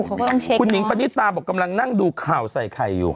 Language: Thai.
อ้าวคุณหญิงประนิตาบอกกำลังนั่งดูข่าวใส่ใครอยู่